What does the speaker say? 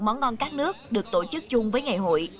món ngon các nước được tổ chức chung với ngày hội